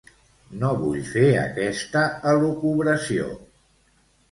No vull fer aquesta elucubració.